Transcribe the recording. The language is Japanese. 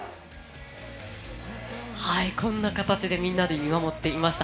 こんな形でみんなで見守っていました。